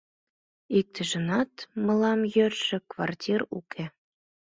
Иктыжынат мылам йӧршӧ квартир уке.